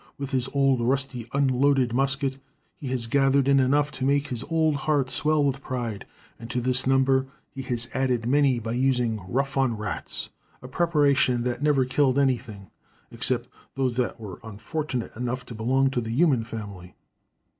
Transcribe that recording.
With his old, rusty, unloaded musket, he has gathered in enough to make his old heart swell with pride, and to this number he has added many by using "rough on rats," a preparation that never killed anything except those that were unfortunate enough to belong to the human family.